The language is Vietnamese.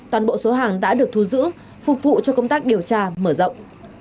toàn bộ số hàng đã được thu giữ phục vụ cho công tác điều tra mở rộng